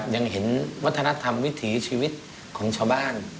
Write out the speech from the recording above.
ยังเห็นวัฒนธรรมวิถีชีวิตของชาวบ้าน